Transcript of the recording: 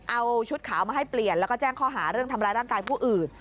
เอาชุดขาวมาให้เปลี่ยนแล้วก็แจ้งข้อหาเรื่องทำร้ายร่างกายผู้อื่น